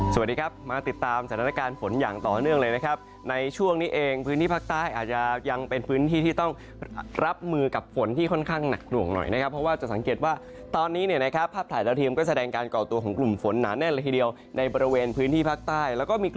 สวัสดีครับมาติดตามสถานการณ์ฝนอย่างต่อเนื่องเลยนะครับในช่วงนี้เองพื้นที่ภาคใต้อาจจะยังเป็นพื้นที่ที่ต้องรับมือกับฝนที่ค่อนข้างหนักหน่วงหน่อยนะครับเพราะว่าจะสังเกตว่าตอนนี้เนี่ยนะครับภาพถ่ายดาวเทียมก็แสดงการก่อตัวของกลุ่มฝนหนาแน่นเลยทีเดียวในบริเวณพื้นที่ภาคใต้แล้วก็มีก